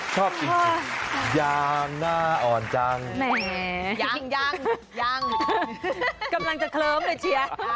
ชอบจริงยางหน้าอ่อนจังแหมยังยังกำลังจะเคลิ้มเลยเชียร์